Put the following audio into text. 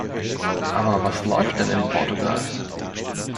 Aber was läuft denn in Portugal?